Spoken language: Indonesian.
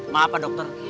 maaf pak dokter